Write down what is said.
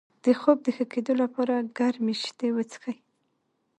د خوب د ښه کیدو لپاره ګرمې شیدې وڅښئ